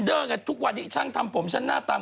ต้องถามผู้ช่วยงานของฉันอย่างเธอ